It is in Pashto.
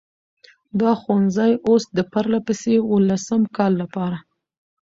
دا ښوونځی اوس د پرلهپسې اوولسم کال لپاره،